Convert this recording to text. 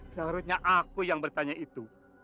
seharusnya aku yang bertanya itu